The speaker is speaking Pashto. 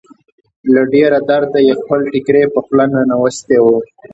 له ډېره درده يې خپل ټيکری په خوله ننوېستی و.